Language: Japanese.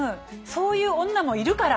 そういう女もいるから！